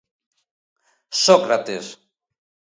Sócrates.